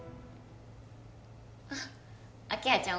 あっ明葉ちゃん